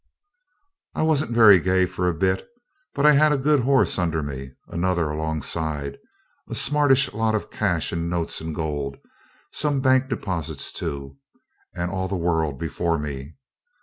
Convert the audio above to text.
I wasn't very gay for a bit, but I had a good horse under me, another alongside, a smartish lot of cash in notes and gold, some bank deposits too, and all the world before me.